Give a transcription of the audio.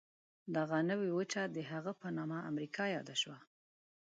دغه نوې وچه د هغه په نامه امریکا یاده شوه.